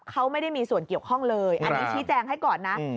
เขาไม่ได้มีส่วนเกี่ยวข้องเลยอันนี้ชี้แจงให้ก่อนนะ